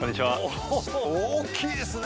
おー大きいですね！